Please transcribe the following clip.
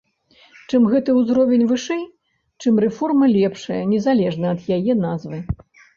Чым гэты ўзровень вышэй, чым рэформа лепшая, незалежна ад яе назвы.